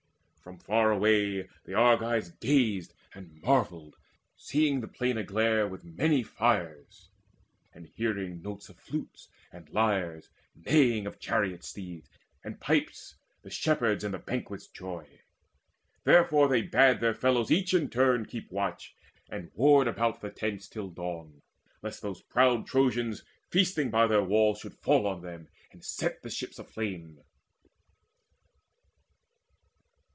From far away The Argives gazed and marvelled, seeing the plain Aglare with many fires, and hearing notes Of flutes and lyres, neighing of chariot steeds And pipes, the shepherd's and the banquet's joy. Therefore they bade their fellows each in turn Keep watch and ward about the tents till dawn, Lest those proud Trojans feasting by their walls Should fall on them, and set the ships aflame.